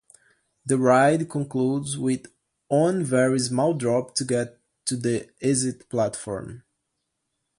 The ride concludes with one very small drop to get to the exit platform.